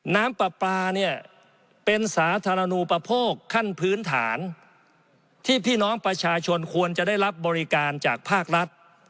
น้ำปลาปลาเนี่ยเป็นสาธารณูประโภคขั้นพื้นฐานที่พี่น้องประชาชนควรจะได้รับบริการจากภาครัฐ